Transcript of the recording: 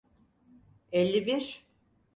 Elli bir.